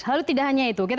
lalu tidak hanya itu